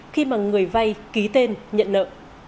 khi mà người vay ký tên nhận nợ